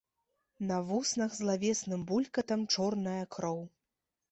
На вуснах злавесным булькатам чорная кроў.